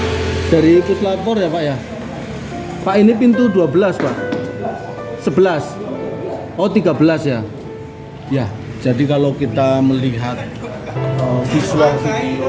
hai dari kutlapor ya pak ya pak ini pintu dua belas sebelas tiga belas ya ya jadi kalau kita melihat visual video